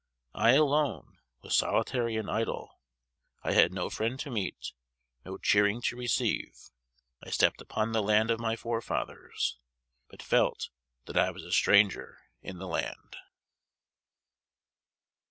I alone was solitary and idle. I had no friend to meet, no cheering to receive. I stepped upon the land of my forefathers but felt that I was a stranger in the land.